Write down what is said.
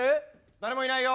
誰もいないよ。